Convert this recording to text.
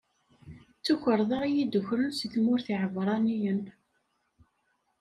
D tukerḍa i yi-d-ukren si tmurt n Iɛebṛaniyen.